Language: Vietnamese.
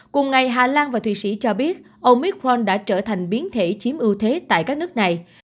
cùng ngày hà lan và thụy sĩ cho biết ông micron đã trở thành biến thể chiếm ưu thế tại các nước này